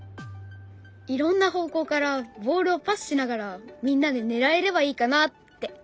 いろんな方向からボールをパスしながらみんなでねらえればいいかなって。